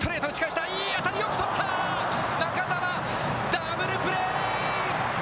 ダブルプレー。